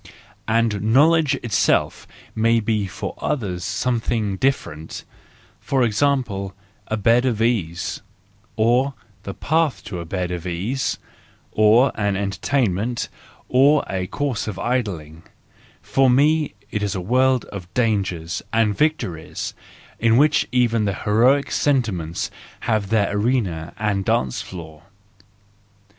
—And knowledge itself may be for others something different; for example, a bed of ease, or the path to a bed of ease, or an entertainment, or a course of idling,—for me it is a world of dangers and victories, in which even the heroic sentiments have their arena and dancing floor.